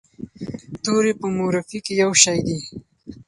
توري په مورفي کې یو شی دي.